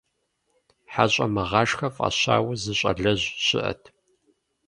ХьэщӀэмыгъашхэ фӀащауэ, зы щӀалэжь щыӀэт.